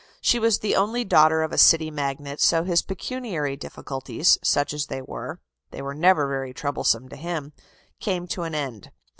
She was the only daughter of a City magnate, so his pecuniary difficulties, such as they were (they were never very troublesome to him), came to an end.